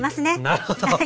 なるほど。